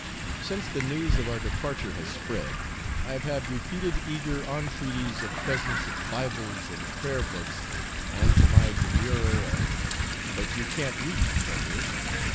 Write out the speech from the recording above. Since the news of our departure has spread, I have had repeated eager entreaties for presents of Bibles and Prayer Books, and to my demurrer of 'But you can't read; can you?'